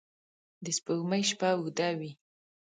د سپوږمۍ شپه اوږده وي